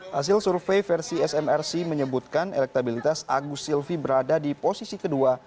hasil survei versi smrc menyebutkan elektabilitas agus silvi berada di posisi kedua